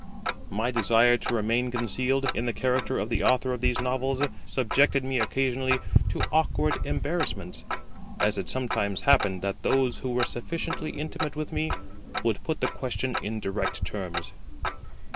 My desire to remain concealed, in the character of the Author of these Novels, subjected me occasionally to awkward embarrassments, as it sometimes happened that those who were sufficiently intimate with me would put the question in direct terms.